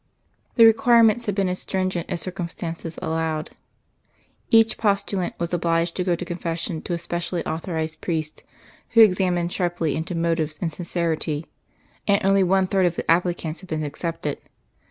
The requirements had been as stringent as circumstances allowed. Each postulant was obliged to go to confession to a specially authorised priest, who examined sharply into motives and sincerity, and only one third of the applicants had been accepted.